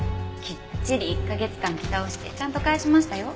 きっちり１カ月間着倒してちゃんと返しましたよ。